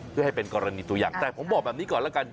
เพื่อให้เป็นกรณีตัวอย่างแต่ผมบอกแบบนี้ก่อนแล้วกัน